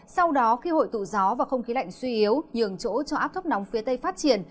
sau đó khi hội tụ gió và không khí lạnh suy yếu nhường chỗ cho áp thấp nóng phía tây phát triển